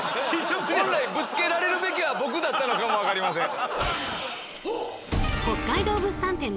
本来ぶつけられるべきは僕だったのかも分かりません。